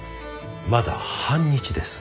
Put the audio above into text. まだ半日です。